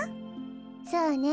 そうね。